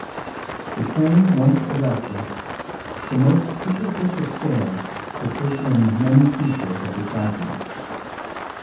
The train once arrested, the most superficial stare could take in many features of the tragedy.